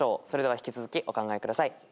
それでは引き続きお考えください。